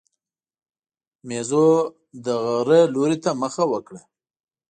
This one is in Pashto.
مېزو د غره لوري ته مخه وکړه.